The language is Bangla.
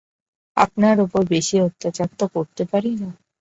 আপনার উপর বেশি অত্যাচার তো করতে পারি না।